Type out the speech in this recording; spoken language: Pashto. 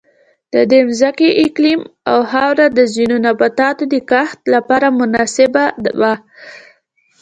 د دې ځمکې اقلیم او خاوره د ځینو نباتاتو د کښت لپاره مناسبه وه.